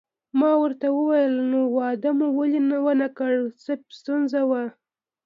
ما ورته وویل: نو واده مو ولې ونه کړ، څه ستونزه وه؟